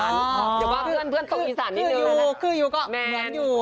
อย่าว่าเพื่อนตกอีสานนิดหนึ่งเค้ายูเค้ายูก็เหมาะอยู่